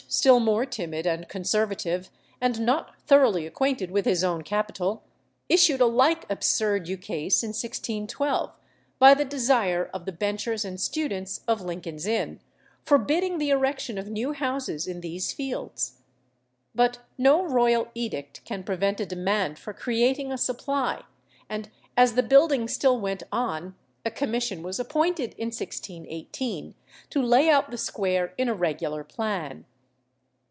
still more timid and conservative, and not thoroughly acquainted with his own capital, issued a like absurd ukase in 1612, by the desire of the benchers and students of Lincoln's Inn, forbidding the erection of new houses in these fields. But no royal edict can prevent a demand for creating a supply, and as the building still went on, a commission was appointed in 1618 to lay out the square in a regular plan.